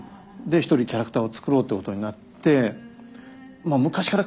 で一人キャラクターを作ろうってことになって。